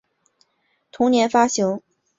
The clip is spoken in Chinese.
同年发行同名专辑。